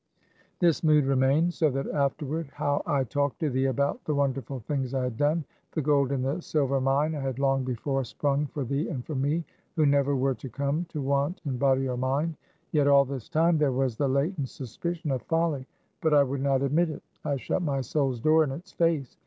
This mood remained. So that afterward how I talked to thee about the wonderful things I had done; the gold and the silver mine I had long before sprung for thee and for me, who never were to come to want in body or mind. Yet all this time, there was the latent suspicion of folly; but I would not admit it; I shut my soul's door in its face.